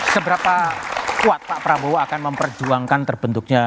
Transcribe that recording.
seberapa kuat pak prabowo akan memperjuangkan terbentuk bangsa ini